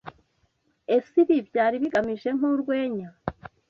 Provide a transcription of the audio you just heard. Ese ibi byari bigamije nkurwenya?